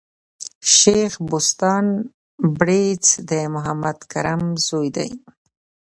شېخ بُستان بړیځ د محمد کرم زوی دﺉ.